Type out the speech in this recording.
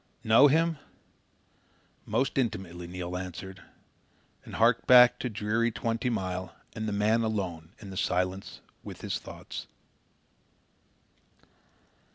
"Know him? Most intimately," Neil answered, and harked back to dreary Twenty Mile and the man alone in the silence with his thoughts.